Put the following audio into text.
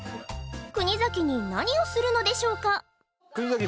国崎に何をするのでしょうか？